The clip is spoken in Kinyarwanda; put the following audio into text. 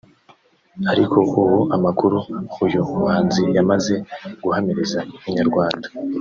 ariko ubu amakuru uyu muhanzi yamaze guhamiriza Inyarwanda